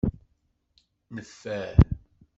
Neffer.